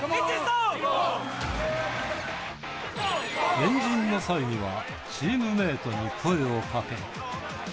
円陣の際には、チームメートに声をかけ。